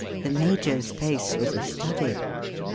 The major's face was a study.